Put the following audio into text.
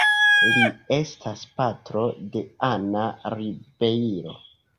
Li estas patro de Ana Ribeiro.